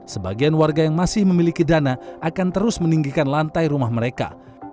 sebagian warga yang masih memiliki dana akan terus meninggikan lantai rumah mereka